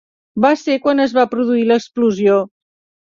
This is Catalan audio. Va ser quan es va produir l'explosió.